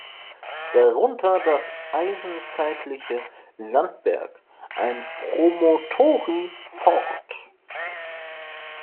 Darunter das eisenzeitliche Landberg, ein Promontory Fort.